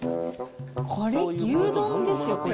これ、牛丼ですよ、これ。